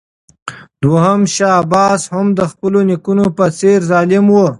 دوهم شاه عباس هم د خپلو نیکونو په څېر ظالم و.